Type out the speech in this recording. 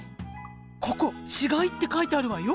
ここ「死骸」って書いてあるわよ。